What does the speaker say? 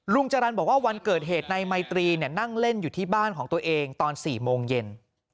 จรรย์บอกว่าวันเกิดเหตุนายไมตรีนั่งเล่นอยู่ที่บ้านของตัวเองตอน๔โมงเย็น